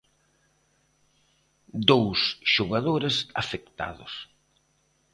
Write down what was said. Dous xogadores afectados.